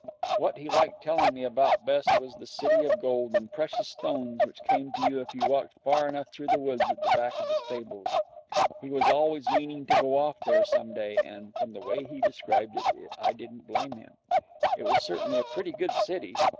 What he liked telling me about best was the city of gold and precious stones which you came to if you walked far enough through the woods at the back of the stables. He was always meaning to go off there some day, and, from the way he described it, I didn't blame him. It was certainly a pretty good city.